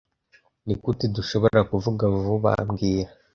Nigute dushoborakuvuga vuba mbwira